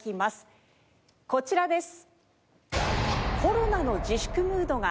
こちらです。